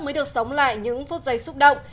mới được sống lại những phút giây xúc động